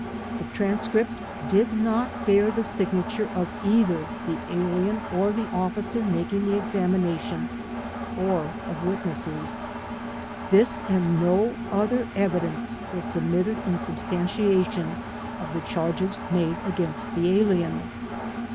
The tran script did not bear the signature of either the alien or the officer making the examination or of witnesses. This and no other evidence was submitted in substantiation of the charges made against the alien.